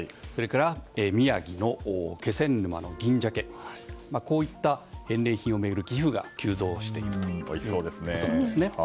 宮城の気仙沼の銀鮭などこういった返礼品を巡る寄付が急増しているということです。